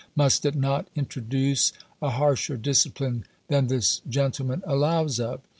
must it not introduce a harsher discipline than this gentleman allows of?